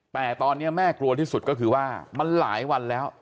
แต่ตอนนี้แม่กลัวที่สุดก็คือว่ามันหลายวันแล้ว